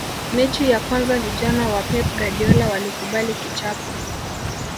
mechi ya kwanza vijana wa pep guardiola walikubali kichapo